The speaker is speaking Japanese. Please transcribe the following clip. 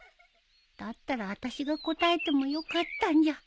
だったらあたしが答えてもよかったんじゃ